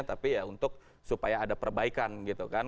tapi ya untuk supaya ada perbaikan gitu kan